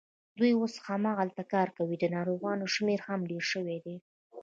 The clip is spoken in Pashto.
دوی اوس هماغلته کار کوي، د ناروغانو شمېر هم ډېر شوی دی.